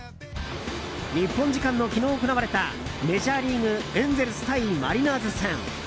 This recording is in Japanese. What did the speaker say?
日本時間の昨日行われたメジャーリーグエンゼルス対マリナーズ戦。